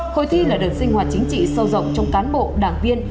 hội thi là đợt sinh hoạt chính trị sâu rộng trong cán bộ đảng viên